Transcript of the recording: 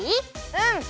うん！